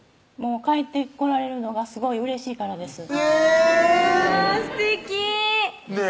帰ってこられるのがすごいうれしいからですえぇ！